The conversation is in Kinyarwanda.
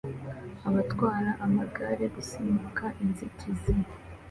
Abatwara amagare gusimbuka inzitizi